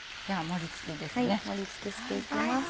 盛り付けして行きます。